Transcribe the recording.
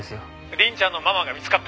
「凛ちゃんのママが見つかった。